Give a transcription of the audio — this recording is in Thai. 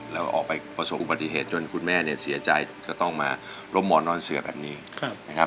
แล้วออกไปประสบอุบัติเหตุจนคุณแม่เนี่ยเสียใจก็ต้องมาร่มหมอนนอนเสือแบบนี้นะครับ